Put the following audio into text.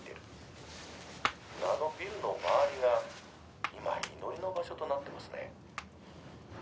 であのビルの周りが今祈りの場所となってますね